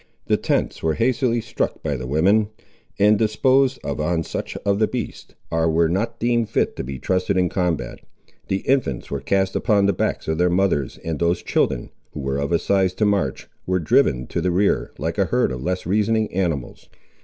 The tents were hastily struck by the women, and disposed of on such of the beasts as were not deemed fit to be trusted in combat. The infants were cast upon the backs of their mothers, and those children, who were of a size to march, were driven to the rear, like a herd of less reasoning animals.